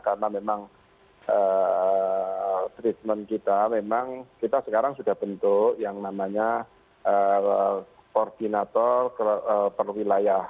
karena memang treatment kita memang kita sekarang sudah bentuk yang namanya koordinator perwilayah